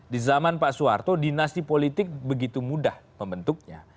di zaman pak soeharto dinasti politik begitu mudah membentuknya